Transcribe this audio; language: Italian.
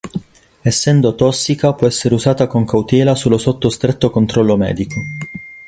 Essendo tossica può essere usata con cautela solo sotto stretto controllo medico.